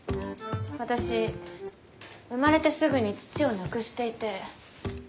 私生まれてすぐに父を亡くしていて。